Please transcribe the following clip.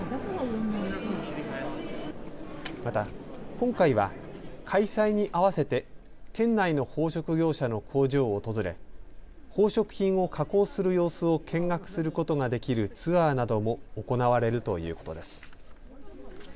また今回は開催に合わせて県内の宝飾業者の工場を訪れ宝飾品を加工する様子を見学することができるツアーなども行われるということです。